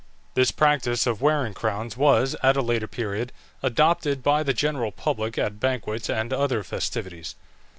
This practice of wearing crowns was, at a later period, adopted by the general public at banquets and other festivities.